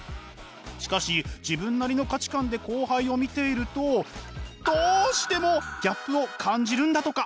しかし自分なりの価値観で後輩を見ているとどうしてもギャップを感じるんだとか。